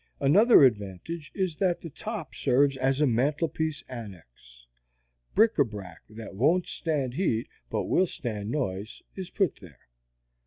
Another advantage is that the top serves as a mantelpiece annex; bric a brac that won't stand heat but will stand noise is put there.